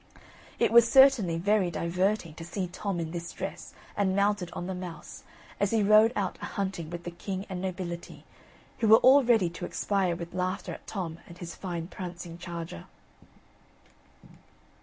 It was certainly very diverting to see Tom in this dress and mounted on the mouse, as he rode out a hunting with the king and nobility, who were all ready to expire with laughter at Tom and his fine prancing charger.